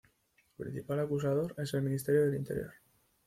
El principal acusador es el Ministerio del Interior.